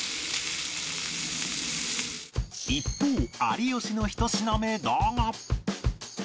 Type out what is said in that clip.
一方有吉の１品目だが